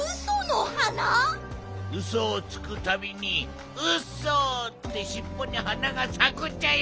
ウソをつくたびにウソってしっぽに花がさくっちゃよ！